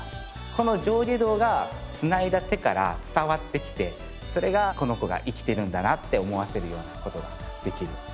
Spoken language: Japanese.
この上下動がつないだ手から伝わってきてそれがこの子が生きてるんだなって思わせるような事ができる。